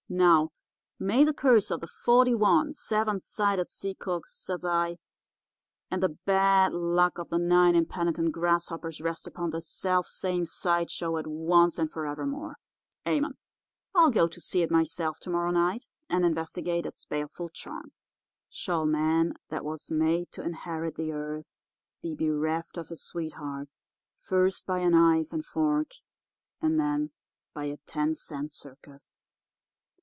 "'Now, may the curse of the forty one seven sided sea cooks,' says I, 'and the bad luck of the nine impenitent grasshoppers rest upon this self same sideshow at once and forever more. Amen. I'll go to see it myself to morrow night and investigate its baleful charm. Shall man that was made to inherit the earth be bereft of his sweetheart first by a knife and fork and then by a ten cent circus?